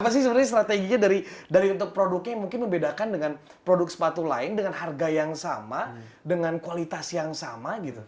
apa sih sebenarnya strateginya dari untuk produknya yang mungkin membedakan dengan produk sepatu lain dengan harga yang sama dengan kualitas yang sama gitu